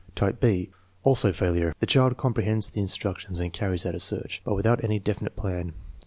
Type b (also failure). The child comprehends the instructions and carries out a search, but without any definite plan.